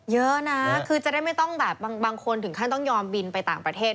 เยอะนะคือจะได้ไม่ต้องแบบบางคนถึงขั้นต้องยอมบินไปต่างประเทศ